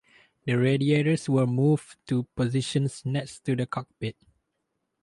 The radiators were moved to positions next to the cockpit.